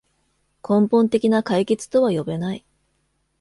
根本的な解決とは呼べない